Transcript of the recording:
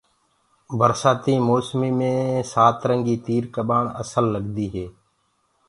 برسآتي موسمو مي سترنگيٚ ڪٻآڻ اسل لگدي هي